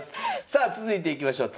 さあ続いていきましょう。